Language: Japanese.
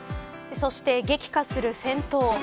そして激化する戦闘。